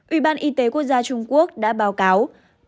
ủy ban y tế quốc gia trung quốc đã báo cáo